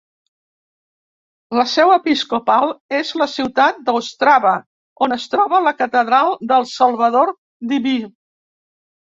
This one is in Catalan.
La seu episcopal és la ciutat d'Ostrava, on es troba la catedral del Salvador Diví.